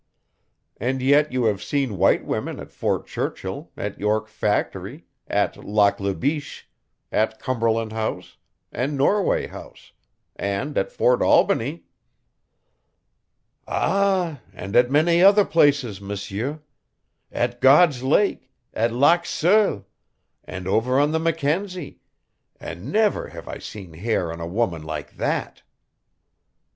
"And yet you have seen white women at Fort Churchill, at York Factory, at Lac la Biche, at Cumberland House, and Norway House, and at Fort Albany?" "Ah h h, and at many other places, M'sieu. At God's Lake, at Lac Seul, and over on the Mackenzie and never have I seen hair on a woman like that."